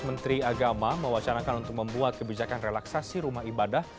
menteri agama mewacanakan untuk membuat kebijakan relaksasi rumah ibadah